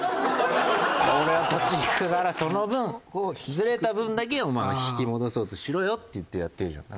「俺はこっちに引くからその分ずれた分だけお前は引き戻そうとしろよ」って言ってやってるじゃん。